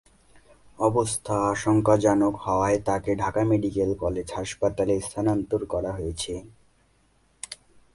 অবস্থা আশঙ্কাজনক হওয়ায় তাঁকে ঢাকা মেডিকেল কলেজ হাসপাতালে স্থানান্তর করা হয়েছে।